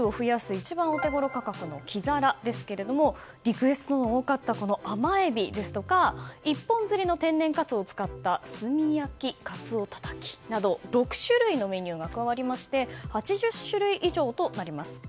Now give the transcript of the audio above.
一番お手ごろ価格の黄皿ですがリクエストの多かった甘えびですとか一本釣りの天然かつおを使った炭焼きかつおたたきなど６種類のメニューが加わりまして８０種類以上となります。